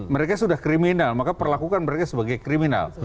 mereka sudah kriminal maka perlakukan mereka sebagai kriminal